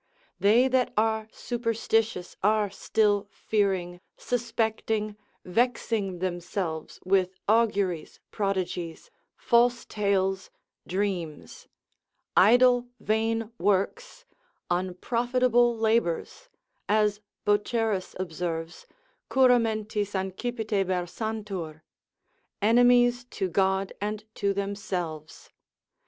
They that are superstitious are still fearing, suspecting, vexing themselves with auguries, prodigies, false tales, dreams, idle, vain works, unprofitable labours, as Boterus observes, cura mentis ancipite versantur: enemies to God and to themselves.